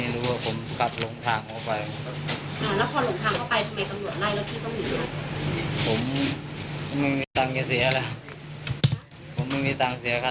โลกก็ยังไล่ตามผมว่าผมรู้ว่าจะทำงานผมก็คิดอะไรไม่ออก